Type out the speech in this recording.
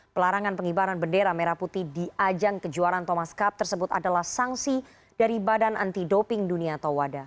pelarangan pengibaran bendera merah putih di ajang kejuaraan thomas cup tersebut adalah sanksi dari badan anti doping dunia tawada